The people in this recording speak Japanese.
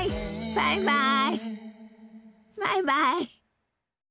バイバイ。